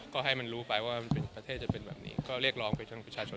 ก็ให้มันรู้ไปว่าประเทศจะหมีแบบนี้ก็เรียกลองไให้ทุชชาชน